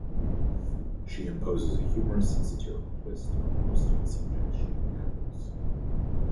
She imposes a humorous and satirical twist on most of the subjects she tackles.